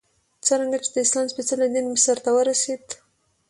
څرنګه چې د اسلام سپېڅلی دین مصر ته ورسېد.